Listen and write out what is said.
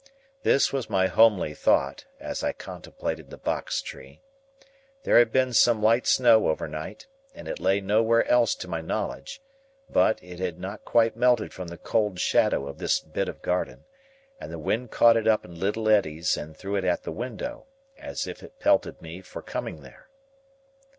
This was my homely thought, as I contemplated the box tree. There had been some light snow, overnight, and it lay nowhere else to my knowledge; but, it had not quite melted from the cold shadow of this bit of garden, and the wind caught it up in little eddies and threw it at the window, as if it pelted me for coming there.